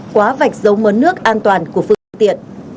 quá vạch giống mướn nước an toàn của phương tiện